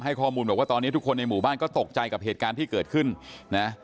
ข้อมูลบอกว่าตอนนี้ทุกคนในหมู่บ้านก็ตกใจกับเหตุการณ์ที่เกิดขึ้นนะ